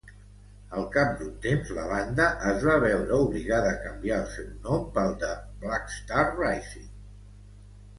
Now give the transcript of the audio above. Al cap d'un temps, la banda es va veure obligada a canviar el seu nom pel de Blackstar Rising.